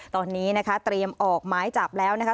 ตอนนี้นะคะเตรียมออกหมายจับแล้วนะคะ